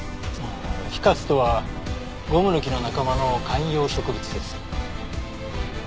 フィカスとはゴムの木の仲間の観葉植物です。